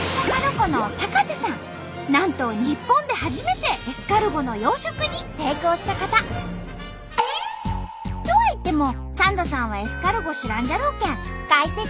なんと日本で初めてエスカルゴの養殖に成功した方。とはいってもサンドさんはエスカルゴ知らんじゃろうけん解説！